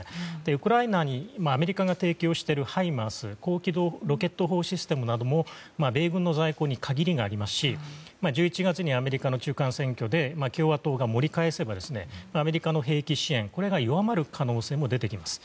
ウクライナにアメリカが提供しているハイマースという高軌道ロケット砲システムなども米軍の在庫に限りがありますし１１月に、アメリカの中間選挙で共和党が盛り返せばアメリカの兵器支援が弱まる可能性も出てきます。